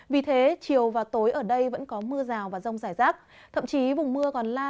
vì thế chiều và tối ở đây vẫn có mưa rào và rông giải rác